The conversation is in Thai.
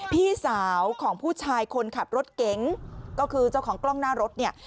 พี่สาวของผู้ชายคนขับรถเก๋งก็คือเจ้าของกล้องหน้ารถเนี่ย